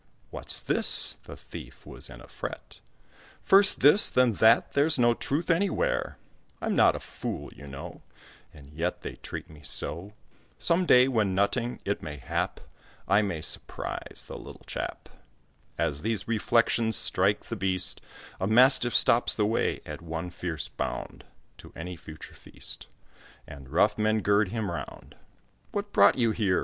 "What's this?" the thief was in a fret; "First this, then that, there's no truth anywhere; I'm not a fool, you know, And yet they treat me so. Some day, when nutting, it may hap I may surprise the little chap." As these reflections strike the beast, A mastiff stops the way, at one fierce bound, To any future feast, And rough men gird him round. "What brought you here?"